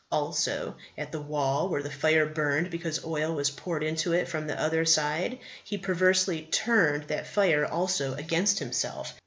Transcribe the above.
Also, at the wall where the fire burned because oil was poured into it from the other side, he perversely turned that fire also against himself.